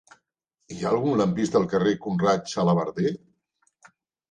Hi ha algun lampista al carrer de Conrad Xalabarder?